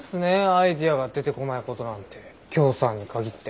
アイデアが出てこないことなんてきょーさんに限って。